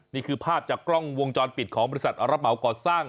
นี่คือภาพจากกล้องวงจรปิดของบริษัทรับเหมาก่อสร้าง